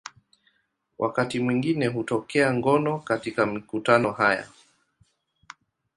Wakati mwingine hutokea ngono katika mikutano haya.